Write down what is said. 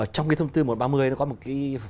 trong cái thông tư một trăm ba mươi nó có một cái